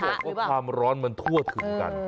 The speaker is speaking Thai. บอกว่าความร้อนมันทั่วถึงกัน